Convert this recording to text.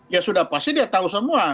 ya sudah pasti dia tahu semua